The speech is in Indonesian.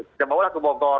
kita bawalah ke bogor